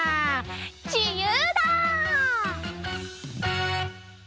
じゆうだ！